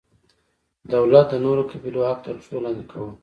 دولت د نورو قبیلو حق تر پښو لاندې کاوه.